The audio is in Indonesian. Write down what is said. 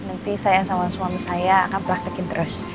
nanti saya sama suami saya akan praktekin terus